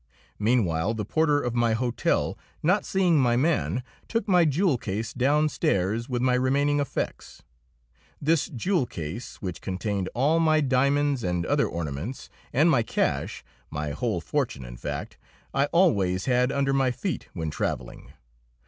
Meanwhile the porter of my hotel, not seeing my man, took my jewel case downstairs with my remaining effects. This jewel case, which contained all my diamonds and other ornaments, and my cash my whole fortune, in fact I always had under my feet when travelling.